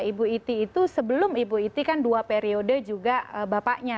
ibu iti itu sebelum ibu iti kan dua periode juga bapaknya